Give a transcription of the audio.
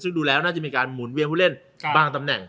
ซึ่งดูแล้วน่าจะมีการหมุนเวียนผู้เล่นบางตำแหน่ง